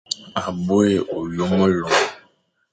À bôe ôyo melom,